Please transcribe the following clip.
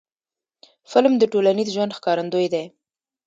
فلم د ټولنیز ژوند ښکارندوی دی